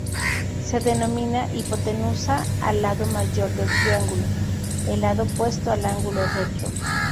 Se denomina hipotenusa al lado mayor del triángulo, el lado opuesto al ángulo recto.